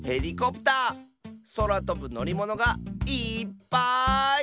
そらとぶのりものがいっぱい！